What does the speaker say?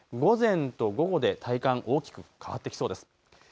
午前と午後で体感、大きく変わってきそうです。